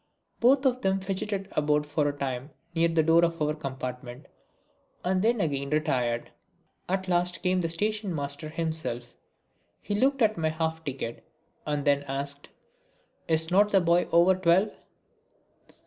Both of them fidgetted about for a time near the door of our compartment and then again retired. At last came the station master himself. He looked at my half ticket and then asked: "Is not the boy over twelve?"